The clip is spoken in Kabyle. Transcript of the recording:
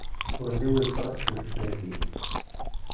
Ul-iw ifreḥ s leslak-ik.